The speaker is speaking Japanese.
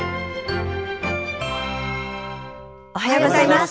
おはようございます。